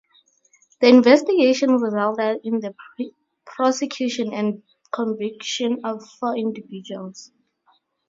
The investigation resulted in the prosecution and conviction of four individuals.